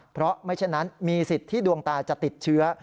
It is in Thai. เพราะไม่เช่นนั้นมีสิทธิ์ที่ดวงตาจะติดเชื้อ